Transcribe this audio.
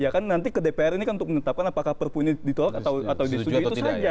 ya kan nanti ke dpr ini kan untuk menetapkan apakah perpu ini ditolak atau disetujui itu saja